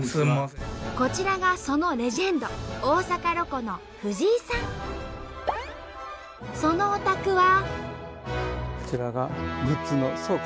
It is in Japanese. こちらがそのレジェンドそのお宅は。